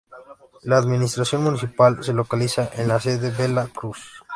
La administración municipal se localiza en la sede: Bela Cruz.